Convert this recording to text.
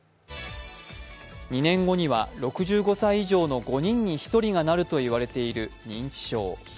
２年後には６５歳以上の５人に１人がなるといわれている認知症。